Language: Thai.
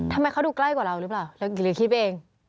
ทำไมเขาดูใกล้กว่าเราหรือเปล่าหรือคลิปเอง